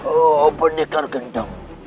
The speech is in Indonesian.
oh bendekar gendong